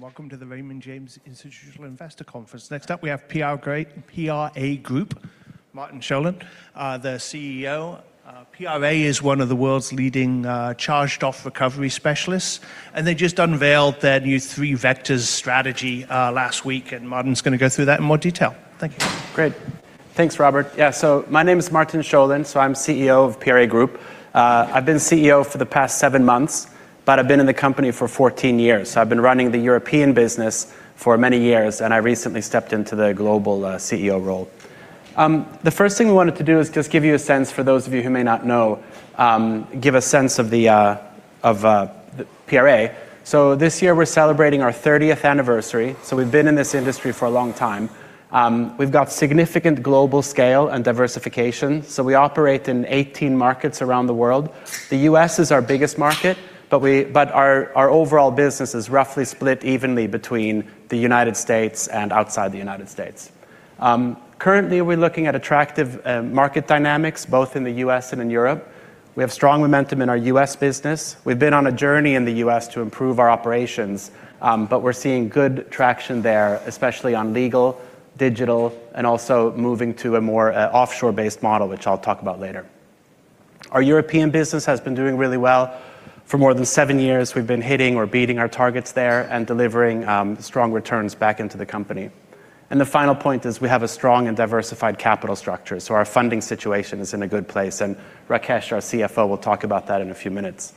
Welcome to the Raymond James Institutional Investor Conference. Next up, we have PRA Group, Martin Sjolund, their CEO. PRA is one of the world's leading, charged-off recovery specialists, and they just unveiled their new 3 Vectors strategy last week, and Martin's gonna go through that in more detail. Thank you. Great. Thanks, Robert. Yeah, my name is Martin Sjolund. I'm CEO of PRA Group. I've been CEO for the past 14 years, but I've been in the company for 14 years. I've been running the European business for many years, and I recently stepped into the global CEO role. The first thing we wanted to do is just give you a sense for those of you who may not know give a sense of the PRA. This year we're celebrating our 30th anniversary, so we've been in this industry for a long time. We've got significant global scale and diversification, so we operate in 18 markets around the world. The U.S. is our biggest market, but our overall business is roughly split evenly between the United States and outside the United States. Currently we're looking at attractive market dynamics both in the U.S. and in Europe. We have strong momentum in our U.S. business. We've been on a journey in the U.S. to improve our operations but we're seeing good traction there, especially on legal, digital, and also moving to a more offshore-based model which I'll talk about later. Our European business has been doing really well. For more than seven years, we've been hitting or beating our targets there and delivering strong returns back into the company. The final point is we have a strong and diversified capital structure, so our funding situation is in a good place, and Rakesh our CFO, will talk about that in a few minutes.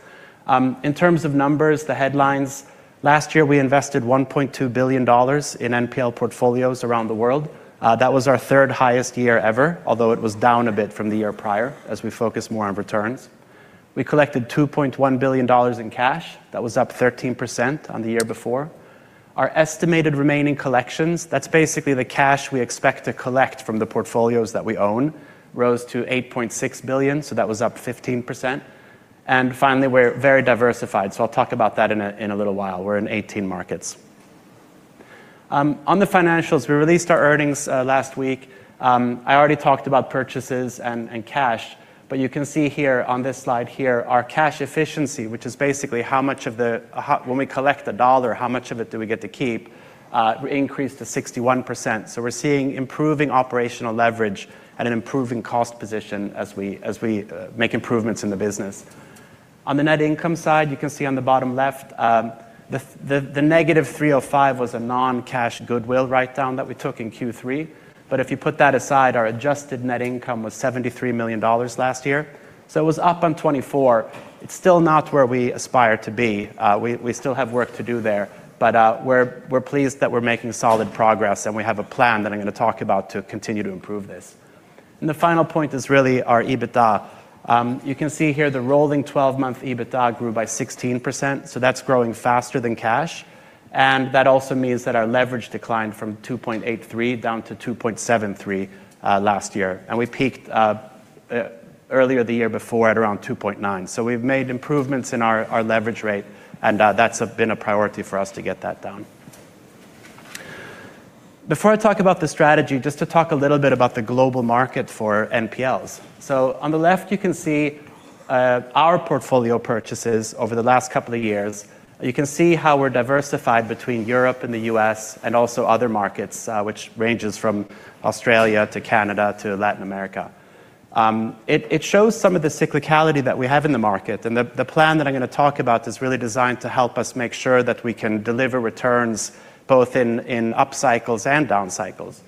In terms of numbers, the headlines, last year we invested $1.2 billion in NPL portfolios around the world. That was our third highest year ever although it was down a bit from the year prior as we focused more on returns. We collected $2.1 billion in cash. That was up 13% on the year before. Our estimated remaining collections that's basically the cash we expect to collect from the portfolios that we own, rose to $8.6 billion, that was up 15%. Finally, we're very diversified, so I'll talk about that in a little while. We're in 18 markets. On the financials we released our earnings last week. I already talked about purchases and cash, you can see here on this slide here, our cash efficiency, which is basically When we collect a dollar how much of it do we get to keep, increased to 61%. We're seeing improving operational leverage and an improving cost position as we make improvements in the business. On the net income side, you can see on the bottom left, the -$305 was a non-cash goodwill write-down that we took in Q3. If you put that aside, our adjusted net income was $73 million last year, so it was up on $24. It's still not where we aspire to be. We still have work to do there, but we're pleased that we're making solid progress, and we have a plan that I'm gonna talk about to continue to improve this. The final point is really our EBITDA. You can see here the rolling 12-month EBITDA grew by 16%, so that's growing faster than cash. That also means that our leverage declined from 2.83 down to 2.73 last year. We peaked earlier the year before at around 2.9. We've made improvements in our leverage rate, and that's been a priority for us to get that down. Before I talk about the strategy, just to talk a little bit about the global market for NPLs. On the left, you can see our portfolio purchases over the last couple of years. You can see how we're diversified between Europe and the U.S. and also other markets, which ranges from Australia to Canada to Latin America. It shows some of the cyclicality that we have in the market, and the plan that I'm gonna talk about is really designed to help us make sure that we can deliver returns both in up cycles and down cycles.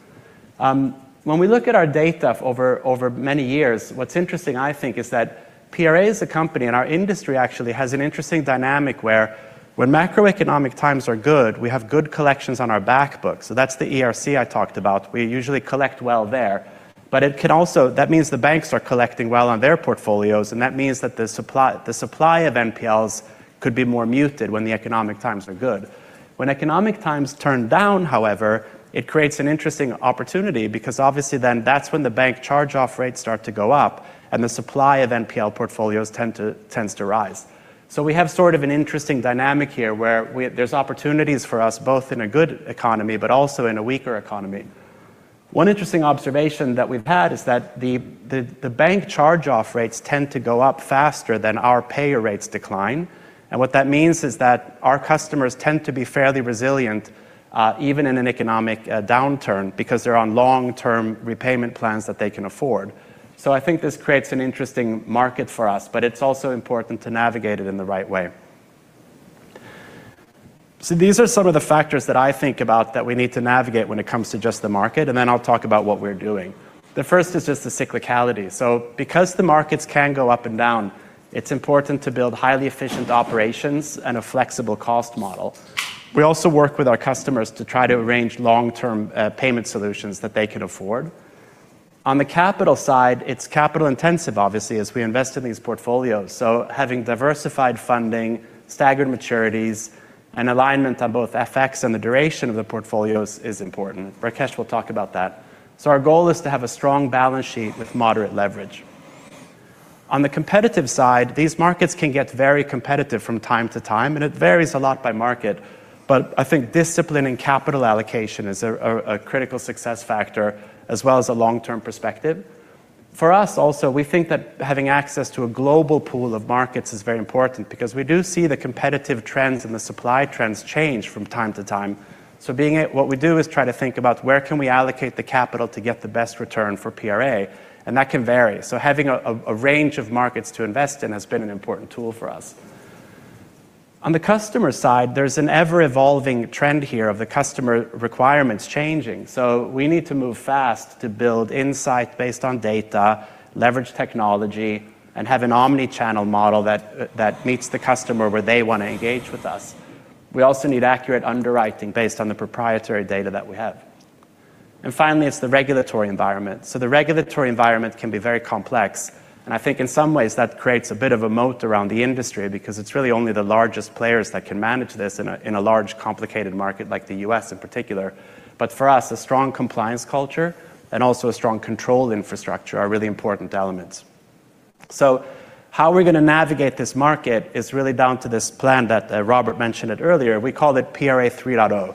When we look at our data over many years, what's interesting, I think, is that PRA as a company and our industry actually has an interesting dynamic where when macroeconomic times are good we have good collections on our back book. That's the ERC I talked about. We usually collect well there. That means the banks are collecting well on their portfolios, and that means that the supply of NPLs could be more muted when the economic times are good. When economic times turn down, however, it creates an interesting opportunity because obviously then that's when the bank charge-off rates start to go up and the supply of NPL portfolios tends to rise. We have sort of an interesting dynamic here where there's opportunities for us both in a good economy but also in a weaker economy. One interesting observation that we've had is that the the bank charge-off rates tend to go up faster than our payer rates decline. What that means is that our customers tend to be fairly resilient even in an economic downturn because they're on long-term repayment plans that they can afford. I think this creates an interesting market for us, but it's also important to navigate it in the right way. These are some of the factors that I think about that we need to navigate when it comes to just the market, and then I'll talk about what we're doing. The first is just the cyclicality. Because the markets can go up and down, it's important to build highly efficient operations and a flexible cost model. We also work with our customers to try to arrange long-term payment solutions that they can afford. On the capital side it's capital intensive obviously as we invest in these portfolios, so having diversified funding, staggered maturities, and alignment on both FX and the duration of the portfolios is important. Rakesh will talk about that. Our goal is to have a strong balance sheet with moderate leverage. On the competitive side these markets can get very competitive from time to time, and it varies a lot by market. I think discipline and capital allocation is a critical success factor as well as a long-term perspective. For us also, we think that having access to a global pool of markets is very important because we do see the competitive trends and the supply trends change from time to time. What we do is try to think about where can we allocate the capital to get the best return for PRA, and that can vary. Having a range of markets to invest in has been an important tool for us. On the customer side, there's an ever-evolving trend here of the customer requirements changing. We need to move fast to build insight based on data, leverage technology, and have an omnichannel model that meets the customer where they wanna engage with us. We also need accurate underwriting based on the proprietary data that we have. Finally, it's the regulatory environment. The regulatory environment can be very complex, and I think in some ways that creates a bit of a moat around the industry because it's really only the largest players that can manage this in a, in a large, complicated market like the U.S. in particular. For us, a strong compliance culture and also a strong control infrastructure are really important elements. How we're gonna navigate this market is really down to this plan that Robert mentioned it earlier. We called it PRA 3.0.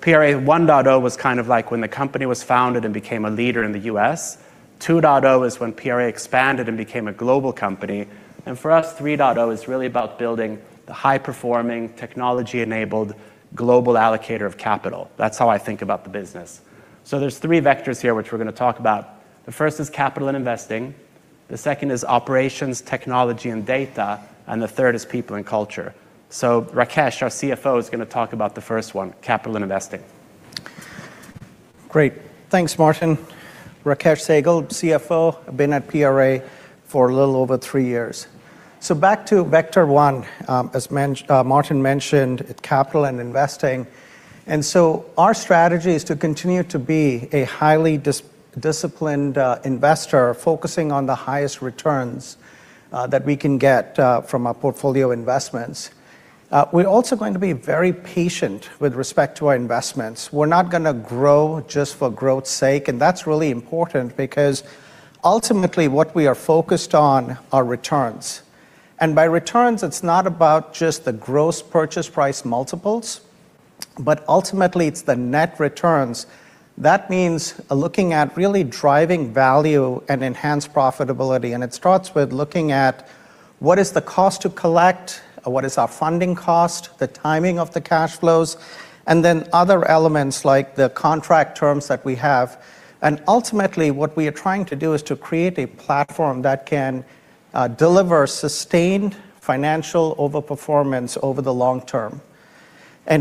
PRA 1.0 was kind of like when the company was founded and became a leader in the U.S. 2.0 is when PRA expanded and became a global company. For us, 3.0 is really about building the high-performing technology-enabled global allocator of capital. That's how I think about the business. There's three vectors here which we're gonna talk about. The first is capital and investing, the second is operations technology and data, and the third is people and culture. Rakesh, our CFO, is gonna talk about the first one, capital and investing. Great. Thanks, Martin. Rakesh Sehgal, CFO. Been at PRA for a little over three years. Back to Vector 1, as Martin mentioned, it capital and investing. Our strategy is to continue to be a highly disciplined investor focusing on the highest returns that we can get from our portfolio investments. We're also going to be very patient with respect to our investments. We're not going to grow just for growth's sake, and that's really important because ultimately what we are focused on are returns. By returns it's not about just the Gross Purchase Price Multiples, but ultimately it's the net returns. That means looking at really driving value and enhanced profitability. It starts with looking at what is the cost to collect, what is our funding cost, the timing of the cash flows, and then other elements like the contract terms that we have. Ultimately, what we are trying to do is to create a platform that can deliver sustained financial overperformance over the long term.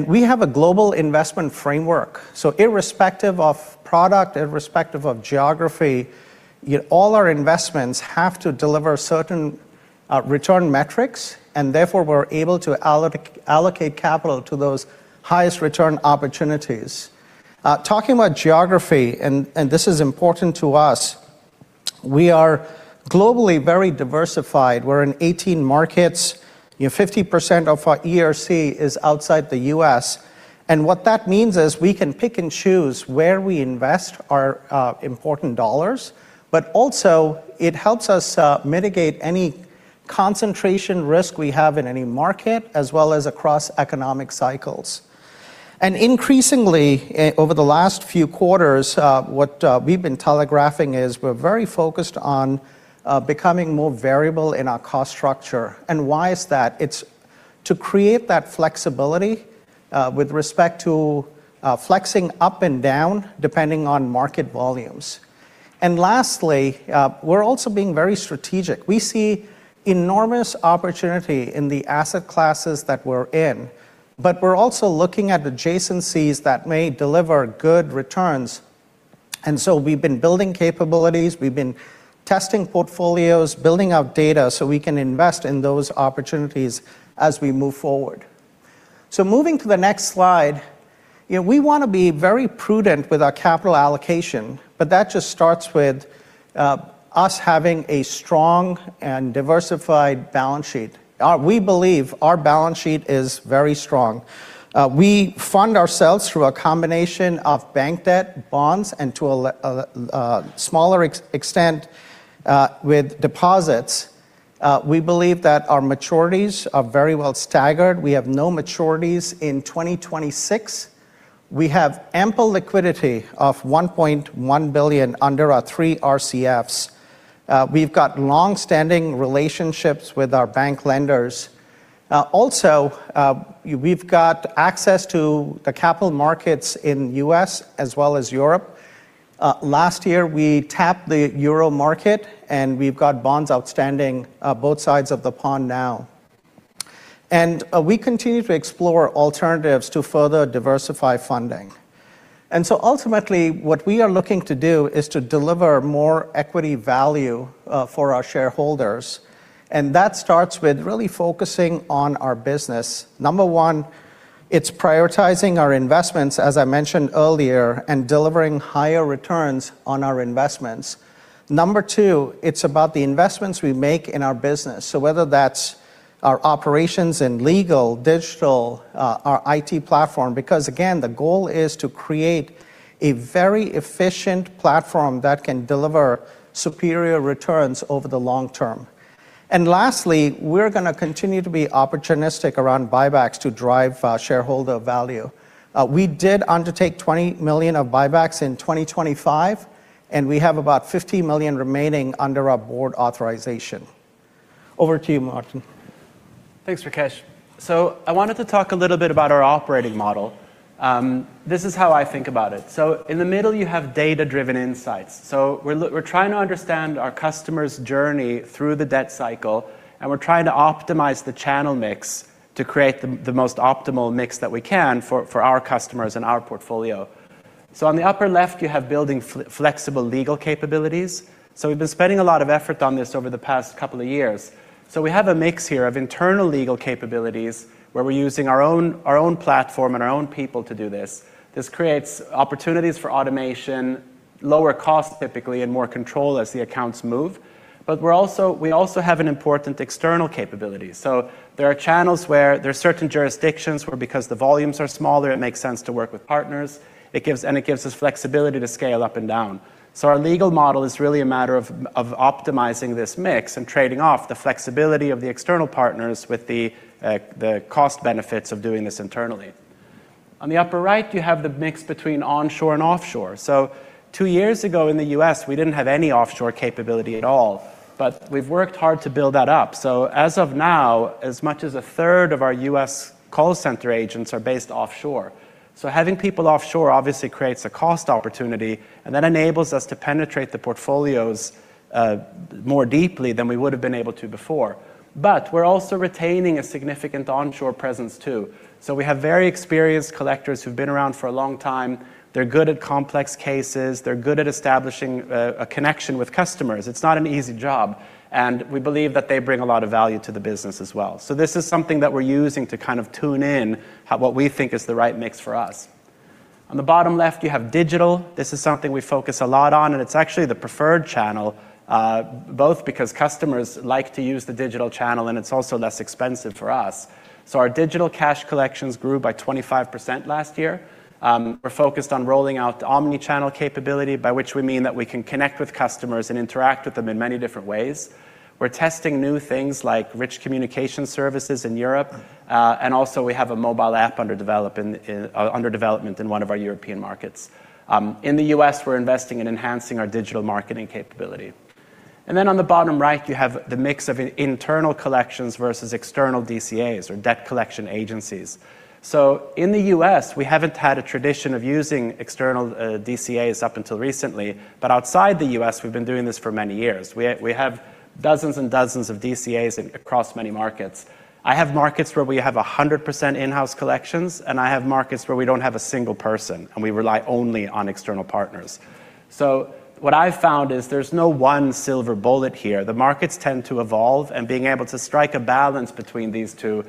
We have a global investment framework. Irrespective of product, irrespective of geography, all our investments have to deliver certain return metrics, and therefore we're able to allocate capital to those highest return opportunities. Talking about geography, and this is important to us, we are globally very diversified. We're in 18 markets. You know, 50% of our ERC is outside the U.S. What that means is we can pick and choose where we invest our important dollars, but also it helps us mitigate any concentration risk we have in any market as well as across economic cycles. Increasingly, over the last few quarters, what we've been telegraphing is we're very focused on becoming more variable in our cost structure. Why is that? It's to create that flexibility with respect to flexing up and down depending on market volumes. Lastly, we're also being very strategic. We see enormous opportunity in the asset classes that we're in, but we're also looking at adjacencies that may deliver good returns. So we've been building capabilities, we've been testing portfolios, building out data, so we can invest in those opportunities as we move forward. Moving to the next slide. You know, we wanna be very prudent with our capital allocation, but that just starts with, us having a strong and diversified balance sheet. We believe our balance sheet is very strong. We fund ourselves through a combination of bank debt, bonds, and to a smaller extent, with deposits. We believe that our maturities are very well staggered. We have no maturities in 2026. We have ample liquidity of $1.1 billion under our three RCFs. We've got long-standing relationships with our bank lenders. Also we've got access to the capital markets in U.S. as well as Europe. Last year we tapped the Euro market, and we've got bonds outstanding, both sides of the pond now. We continue to explore alternatives to further diversify funding. Ultimately, what we are looking to do is to deliver more equity value for our shareholders, and that starts with really focusing on our business. Number one, it's prioritizing our investments, as I mentioned earlier, and delivering higher returns on our investments. Number two, it's about the investments we make in our business. Whether that's our operations in legal digital, our IT platform because again the goal is to create a very efficient platform that can deliver superior returns over the long term. Lastly, we're gonna continue to be opportunistic around buybacks to drive shareholder value. We did undertake $20 million of buybacks in 2025, and we have about $15 million remaining under our board authorization. Over to you, Martin. Thanks, Rakesh. I wanted to talk a little bit about our operating model. This is how I think about it. In the middle, you have data-driven insights. We're trying to understand our customer's journey through the debt cycle, and we're trying to optimize the channel mix to create the most optimal mix that we can for our customers and our portfolio. On the upper left you have building flexible legal capabilities. We've been spending a lot of effort on this over the past couple of years. We have a mix here of internal legal capabilities, where we're using our own platform and our own people to do this. This creates opportunities for automation, lower costs typically and more control as the accounts move. We also have an important external capability. There are channels where there are certain jurisdictions where because the volumes are smaller, it makes sense to work with partners. It gives us flexibility to scale up and down. Our legal model is really a matter of optimizing this mix and trading off the flexibility of the external partners with the cost benefits of doing this internally. On the upper right, you have the mix between onshore and offshore. Two years ago in the U.S., we didn't have any offshore capability at all, but we've worked hard to build that up. As of now as much as a third of our U.S. call center agents are based offshore. Having people offshore obviously creates a cost opportunity, and that enables us to penetrate the portfolios more deeply than we would have been able to before. We're also retaining a significant onshore presence too. We have very experienced collectors who've been around for a long time. They're good at complex cases. They're good at establishing a connection with customers. It's not an easy job, and we believe that they bring a lot of value to the business as well. This is something that we're using to kind of tune in what we think is the right mix for us. On the bottom left you have digital. This is something we focus a lot on, and it's actually the preferred channel, both because customers like to use the digital channel and it's also less expensive for us. Our digital cash collections grew by 25% last year. We're focused on rolling out omnichannel capability, by which we mean that we can connect with customers and interact with them in many different ways. We're testing new things like rich communication services in Europe, and also we have a mobile app under development in one of our European markets. In the U.S., we're investing in enhancing our digital marketing capability. On the bottom right, you have the mix of internal collections versus external DCAs or debt collection agencies. In the U.S., we haven't had a tradition of using external DCAs up until recently, but outside the U.S., we've been doing this for many years. We have dozens and dozens of DCAs across many markets. I have markets where we have 100% in-house collections, and I have markets where we don't have a single person, and we rely only on external partners. What I've found is there's no one silver bullet here. The markets tend to evolve, and being able to strike a balance between these two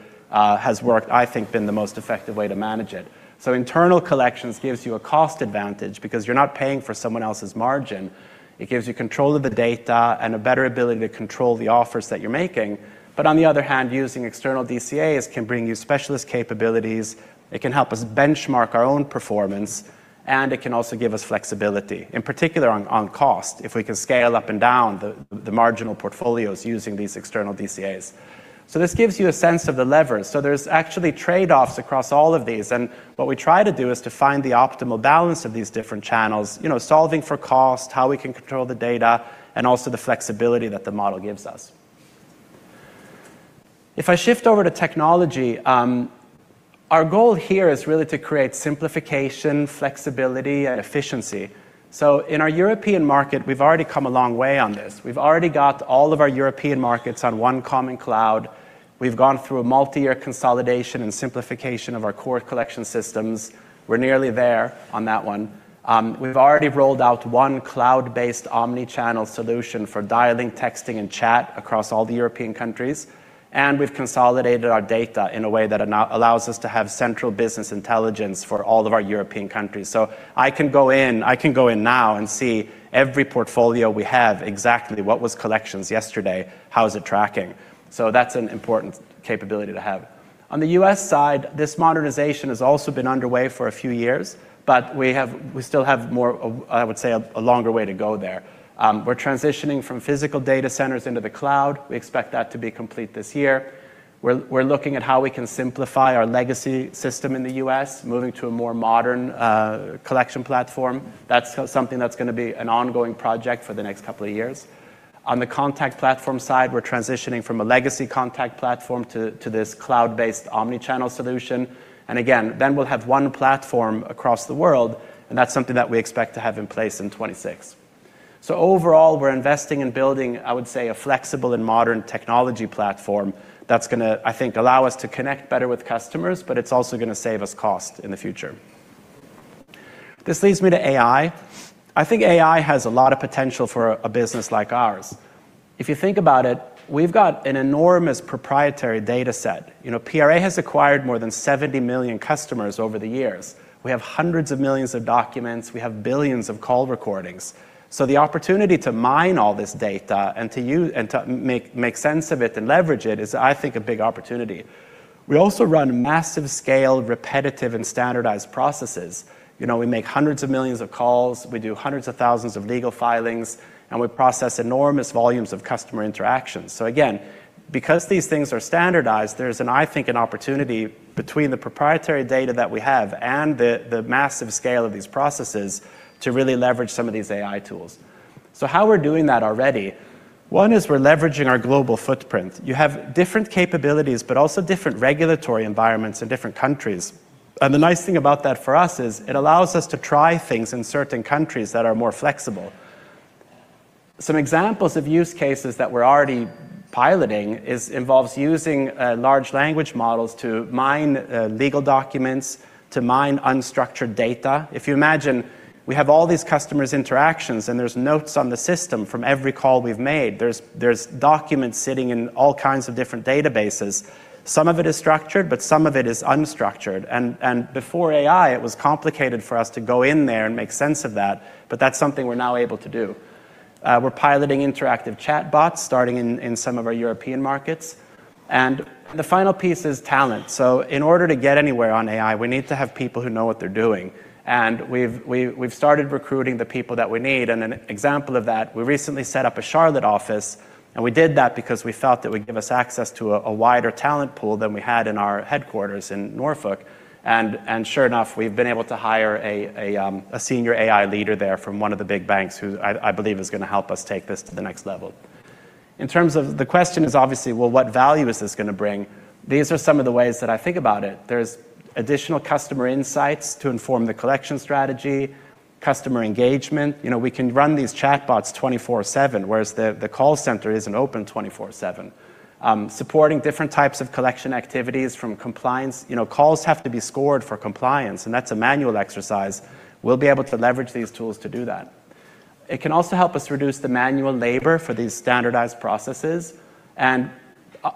has worked, I think, been the most effective way to manage it. Internal collections gives you a cost advantage because you're not paying for someone else's margin. It gives you control of the data and a better ability to control the offers that you're making. On the other hand, using external DCAs can bring you specialist capabilities, it can help us benchmark our own performance, and it can also give us flexibility, in particular on cost if we can scale up and down the marginal portfolios using these external DCAs. This gives you a sense of the leverage. There's actually trade-offs across all of these, and what we try to do is to find the optimal balance of these different channels you know solving for cost, how we can control the data, and also the flexibility that the model gives us. If I shift over to technology, our goal here is really to create simplification, flexibility, and efficiency. In our European market we've already come a long way on this. We've already got all of our European markets on one common cloud. We've gone through a multi-year consolidation and simplification of our core collection systems. We're nearly there on that one. We've already rolled out one cloud-based omnichannel solution for dialing, texting, and chat across all the European countries, and we've consolidated our data in a way that allows us to have central business intelligence for all of our European countries. I can go in now and see every portfolio we have, exactly what was collections yesterday, how is it tracking? That's an important capability to have. On the U.S. side, this modernization has also been underway for a few years we still have more of i would say, a longer way to go there. We're transitioning from physical data centers into the cloud. We expect that to be complete this year. We're looking at how we can simplify our legacy system in the U.S., moving to a more modern collection platform. That's something that's gonna be an ongoing project for the next couple of years. On the contact platform side, we're transitioning from a legacy contact platform to this cloud-based omnichannel solution. Again, we'll have one platform across the world, that's something that we expect to have in place in 26. Overall, we're investing in building, I would say, a flexible and modern technology platform that's gonna i think, allow us to connect better with customers, it's also gonna save us cost in the future. This leads me to AI. I think AI has a lot of potential for a business like ours. If you think about it, we've got an enormous proprietary data set. You know, PRA has acquired more than 70 million customers over the years. We have hundreds of millions of documents. We have billions of call recordings. The opportunity to mine all this data and to make sense of it and leverage it is, I think, a big opportunity. We also run massive scale, repetitive, and standardized processes. You know, we make hundreds of millions of calls, we do hundreds of thousands of legal filings, and we process enormous volumes of customer interactions. Again, because these things are standardized, there's i think, an opportunity between the proprietary data that we have and the massive scale of these processes to really leverage some of these AI tools. How we're doing that already, one is we're leveraging our global footprint. You have different capabilities, but also different regulatory environments in different countries. The nice thing about that for us is it allows us to try things in certain countries that are more flexible. Some examples of use cases that we're already piloting is involves using large language models to mine legal documents, to mine unstructured data. If you imagine we have all these customers interactions, there's notes on the system from every call we've made, there's documents sitting in all kinds of different databases. Some of it is structured, some of it is unstructured. Before AI it was complicated for us to go in there and make sense of that's something we're now able to do. We're piloting interactive chatbots starting in some of our European markets. The final piece is talent. In order to get anywhere on AI, we need to have people who know what they're doing. We've started recruiting the people that we need. An example of that, we recently set up a Charlotte office, we did that because we felt that would give us access to a wider talent pool than we had in our headquarters in Norfolk. Sure enough, we've been able to hire a senior AI leader there from one of the big banks who I believe is gonna help us take this to the next level. In terms of the question is obviously, well, what value is this gonna bring? These are some of the ways that I think about it. There's additional customer insights to inform the collection strategy, customer engagement. You know, we can run these chatbots 24/7, whereas the call center isn't open 24/7. Supporting different types of collection activities from compliance. You know, calls have to be scored for compliance, that's a manual exercise. We'll be able to leverage these tools to do that. It can also help us reduce the manual labor for these standardized processes and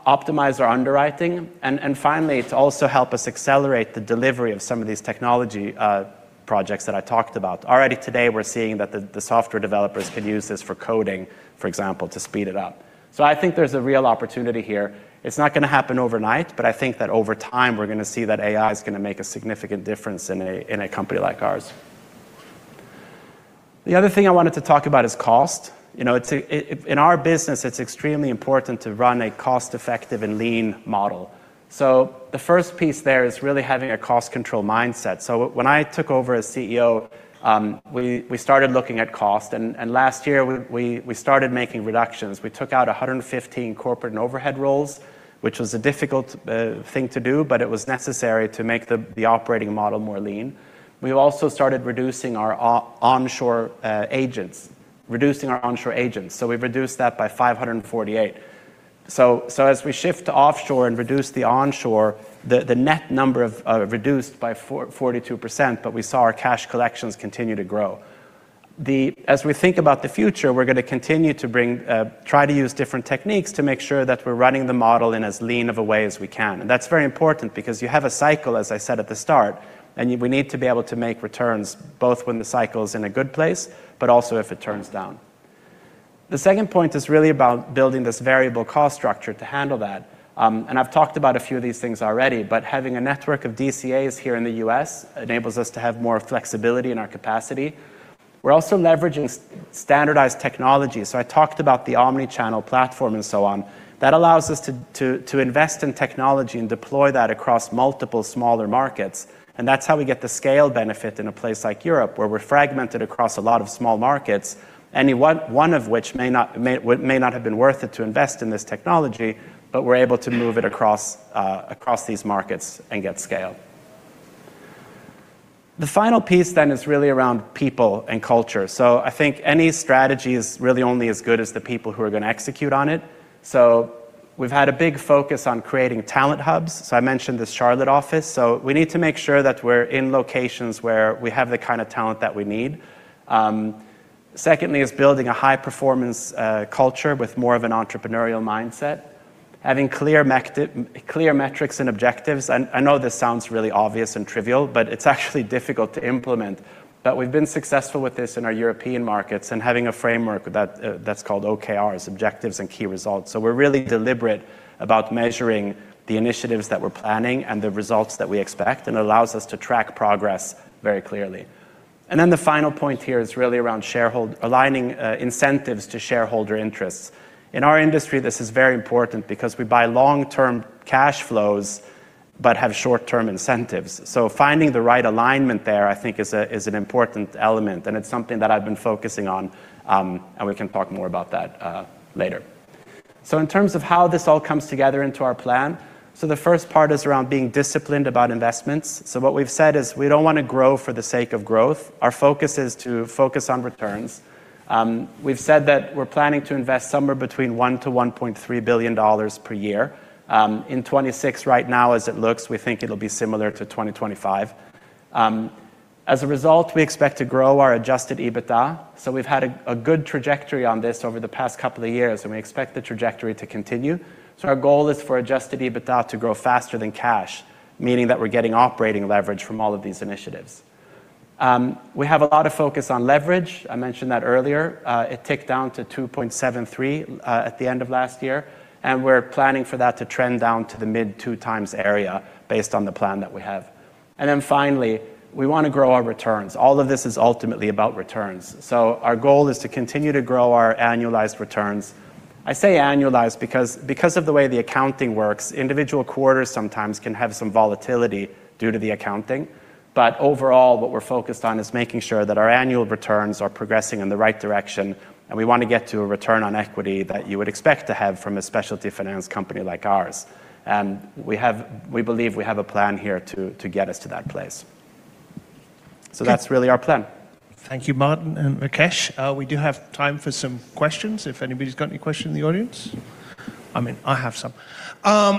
optimize our underwriting, and finally, to also help us accelerate the delivery of some of these technology projects that I talked about. Already today, we're seeing that the software developers can use this for coding for example to speed it up. I think there's a real opportunity here. It's not gonna happen overnight, but I think that over time we're gonna see that AI is gonna make a significant difference in a company like ours. The other thing I wanted to talk about is cost. You know it's in our business it's extremely important to run a cost-effective and lean model. The first piece there is really having a cost control mindset. When I took over as CEO, we started looking at cost, and last year we started making reductions. We took out 115 corporate and overhead roles which was a difficult thing to do but it was necessary to make the operating model more lean. We also started reducing our onshore agents. Reducing our onshore agents. We've reduced that by 548. As we shift to offshore and reduce the onshore, the net number of reduced by 42%, but we saw our cash collections continue to grow. The. As we think about the future, we're gonna continue to bring, try to use different techniques to make sure that we're running the model in as lean of a way as we can. That's very important because you have a cycle, as I said at the start, we need to be able to make returns both when the cycle's in a good place, but also if it turns down. The second point is really about building this variable cost structure to handle that. I've talked about a few of these things already, but having a network of DCAs here in the U.S. enables us to have more flexibility in our capacity. We're also leveraging standardized technology. I talked about the omnichannel platform and so on. That allows us to invest in technology and deploy that across multiple smaller markets, and that's how we get the scale benefit in a place like Europe, where we're fragmented across a lot of small markets. Any one of which may not have been worth it to invest in this technology, but we're able to move it across these markets and get scale. The final piece then is really around people and culture. I think any strategy is really only as good as the people who are gonna execute on it. We've had a big focus on creating talent hubs. I mentioned this Charlotte office. We need to make sure that we're in locations where we have the kinda talent that we need. Secondly is building a high-performance culture with more of an entrepreneurial mindset, having clear metrics and objectives. I know this sounds really obvious and trivial, but it's actually difficult to implement. We've been successful with this in our European markets and having a framework that's called OKRs, objectives and key results. We're really deliberate about measuring the initiatives that we're planning and the results that we expect, and it allows us to track progress very clearly. The final point here is really around shareholder aligning incentives to shareholder interests. In our industry, this is very important because we buy long-term cash flows but have short-term incentives. Finding the right alignment there i think is an important element, and it's something that I've been focusing on, and we can talk more about that later. In terms of how this all comes together into our plan, the first part is around being disciplined about investments. What we've said is we don't wanna grow for the sake of growth. Our focus is to focus on returns. We've said that we're planning to invest somewhere between $1 billion-$1.3 billion per year in 2026. Right now as it looks, we think it'll be similar to 2025. As a result, we expect to grow our Adjusted EBITDA. We've had a good trajectory on this over the past couple of years, and we expect the trajectory to continue. Our goal is for Adjusted EBITDA to grow faster than cash, meaning that we're getting operating leverage from all of these initiatives. We have a lot of focus on leverage. I mentioned that earlier. It ticked down to 2.73 at the end of last year. We're planning for that to trend down to the mid 2x area based on the plan that we have. Finally, we wanna grow our returns. All of this is ultimately about returns. Our goal is to continue to grow our annualized returns. I say annualized because of the way the accounting works, individual quarters sometimes can have some volatility due to the accounting. Overall what we're focused on is making sure that our annual returns are progressing in the right direction. We wanna get to a return on equity that you would expect to have from a specialty finance company like ours. We believe we have a plan here to get us to that place. That's really our plan. Thank you, Martin and Rakesh. We do have time for some questions, if anybody's got any questions in the audience. I mean, I have some. On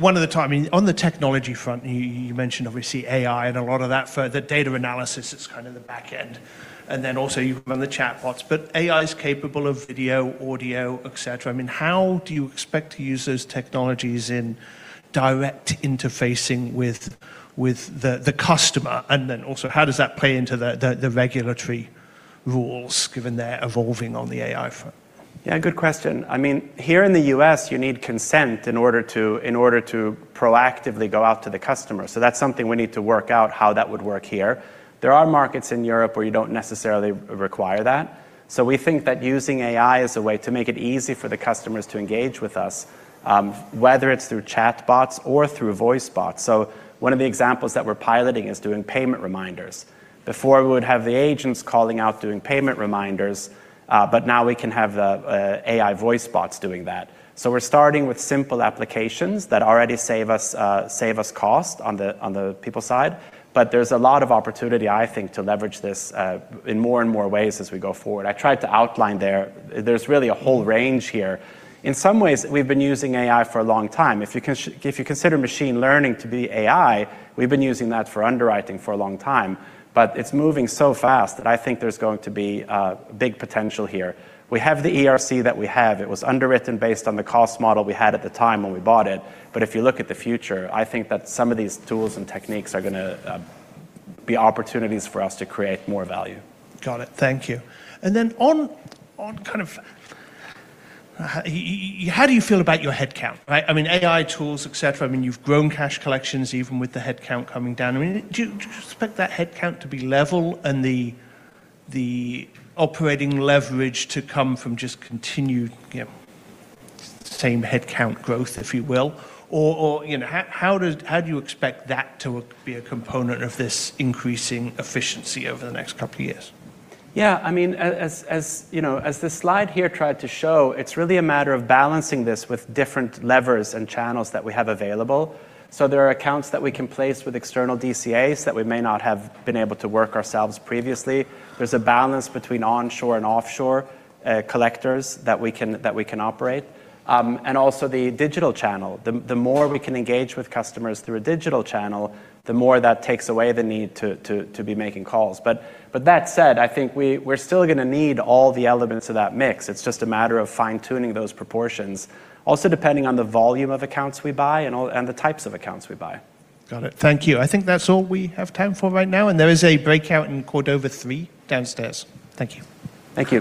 one at a time. On the technology front, you mentioned obviously AI and a lot of that for the data analysis, it's kinda the back end, and then also you've run the chatbots. AI's capable of video, audio, et cetera. I mean how do you expect to use those technologies in direct interfacing with the customer? Also how does that play into the regulatory rules given they're evolving on the AI front? Yeah, good question. I mean, here in the U.S., you need consent in order to proactively go out to the customer. That's something we need to work out how that would work here. There are markets in Europe where you don't necessarily require that. We think that using AI is a way to make it easy for the customers to engage with us, whether it's through chatbots or through voice bots. One of the examples that we're piloting is doing payment reminders. Before, we would have the agents calling out doing payment reminders, but now we can have the AI voice bots doing that. We're starting with simple applications that already save us cost on the people side. There's a lot of opportunity, I think, to leverage this in more and more ways as we go forward. I tried to outline there's really a whole range here. In some ways, we've been using AI for a long time. If you consider machine learning to be AI, we've been using that for underwriting for a long time. It's moving so fast that I think there's going to be big potential here. We have the ERC that we have. It was underwritten based on the cost model we had at the time when we bought it. If you look at the future i think that some of these tools and techniques are gonna be opportunities for us to create more value. Got it. Thank you. Then on kind of... How do you feel about your headcount, right? I mean, AI tools, et cetera. I mean, you've grown cash collections even with the headcount coming down. I mean, do you expect that headcount to be level and the operating leverage to come from just continued you know same headcount growth, if you will? You know, how do you expect that to be a component of this increasing efficiency over the next couple years? Yeah. I mean you know as this slide here tried to show, it's really a matter of balancing this with different levers and channels that we have available. There are accounts that we can place with external DCAs that we may not have been able to work ourselves previously. There's a balance between onshore and offshore collectors that we can, that we can operate, and also the digital channel. The more we can engage with customers through a digital channel, the more that takes away the need to be making calls. That said, I think we're still gonna need all the elements of that mix. It's just a matter of fine-tuning those proportions. Also depending on the volume of accounts we buy and the types of accounts we buy. Got it. Thank you. I think that's all we have time for right now, and there is a breakout in Cordova Three downstairs. Thank you. Thank you.